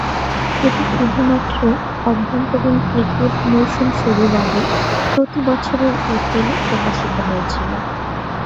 এটি শুধুমাত্র অভ্যন্তরীণ ইংলিশ ক্রিকেট মৌসুম শুরুর আগে প্রতি বছরের এপ্রিলে প্রকাশিত হয়েছিল।